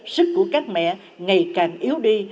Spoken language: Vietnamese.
sức của các mẹ ngày càng yếu đi